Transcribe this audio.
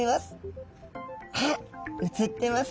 あっ映ってますね。